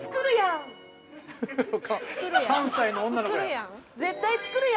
関西の女の子や。